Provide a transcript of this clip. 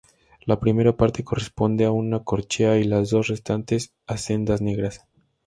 La primera parte corresponde a una corchea y las dos restantes a sendas negras.